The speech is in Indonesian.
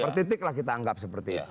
per titik lah kita anggap seperti itu